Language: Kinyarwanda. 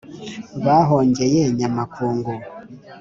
bahongeye nyamakungu.